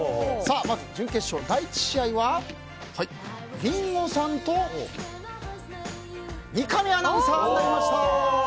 まず準決勝第１試合はリンゴさんと三上アナウンサーになりました。